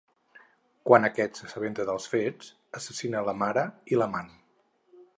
Quan aquest s’assabenta dels fets, assassina la mare i l’amant.